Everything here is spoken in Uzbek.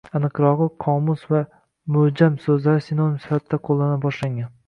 Aniqrog‘i, “qomus” va “mo‘’jam” so‘zlari sinonim sifatida qo‘llana boshlangan.